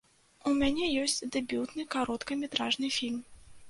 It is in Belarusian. У мяне ёсць дэбютны кароткаметражны фільм.